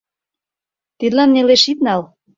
Тидлан нелеш ит нал.